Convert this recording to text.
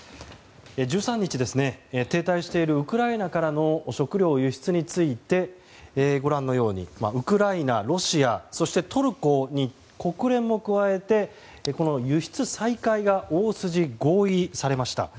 １３日停滞しているウクライナからの食糧輸出についてウクライナ、ロシアトルコに国連も加えて輸出再開が大筋合意されました。